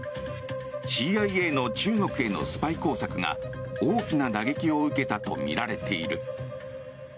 ＣＩＡの中国へのスパイ工作が大きな打撃を受けたとみられている。